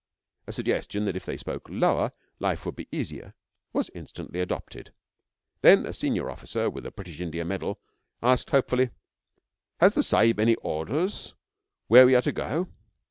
A suggestion that if they spoke lower life would be easier was instantly adopted. Then a senior officer with a British India medal asked hopefully: 'Has the Sahib any orders where we are to go?'